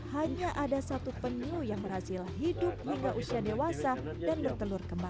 hanya ada satu penyu yang berhasil hidup hingga usia dewasa dan bertelur kembali